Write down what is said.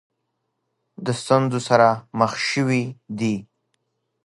د ستونزو سره مخ شوې دي.